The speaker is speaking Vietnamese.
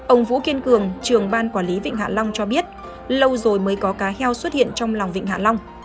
ông vũ kiên cường trường ban quản lý vịnh hạ long cho biết lâu rồi mới có cá heo xuất hiện trong lòng vịnh hạ long